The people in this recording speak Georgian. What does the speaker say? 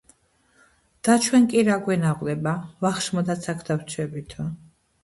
და ჩვენ კი რა გვენაღვლება ვახშმადაც აქ დავრჩებითო